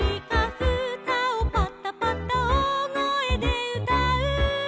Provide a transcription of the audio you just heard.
「ふたをバタバタおおごえでうたう」